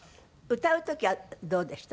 歌う時はどうでした？